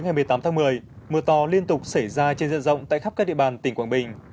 ngày một mươi tám tháng một mươi mưa to liên tục xảy ra trên diện rộng tại khắp các địa bàn tỉnh quảng bình